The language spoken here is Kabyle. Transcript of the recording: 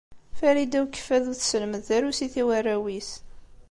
Farida n Ukeffadu tesselmed tarusit i warraw-is.